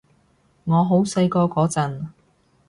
我好細個嗰陣